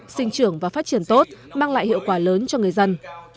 sinh trưởng và phát triển tốt mang lại hiệu quả lớn cho người dân